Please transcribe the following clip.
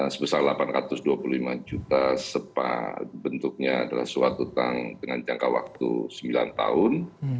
sebesar delapan ratus dua puluh lima juta bentuknya adalah suatu dengan jangka waktu sembilan tahun